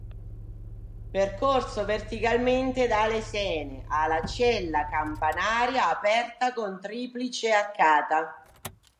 Percorso verticalmente da lesene, ha la cella campanaria aperta con triplice arcata.